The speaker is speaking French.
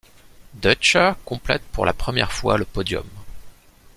Deutscher complète pour la première fois le podium.